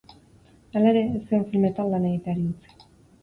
Hala ere, ez zion filmetan lan egiteari utzi.